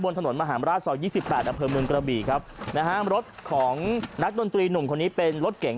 ถนนมหาราชซอย๒๘อำเภอเมืองกระบี่ครับนะฮะรถของนักดนตรีหนุ่มคนนี้เป็นรถเก่ง